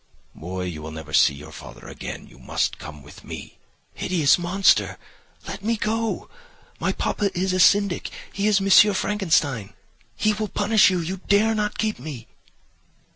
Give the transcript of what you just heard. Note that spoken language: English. "'Boy, you will never see your father again; you must come with me.' "'Hideous monster! Let me go. My papa is a syndic—he is M. Frankenstein—he will punish you. You dare not keep me.